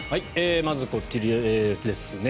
まずこちらですね。